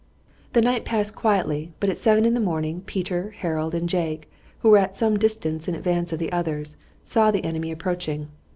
The night passed quietly, but at seven in the morning Peter, Harold, and Jake, who were at some distance in advance of the others, saw the enemy approaching.